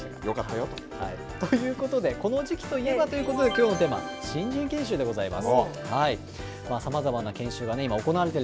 大丈夫でしたか。ということで、この時期といえばということで、きょうのテーマ、新人研修でございます。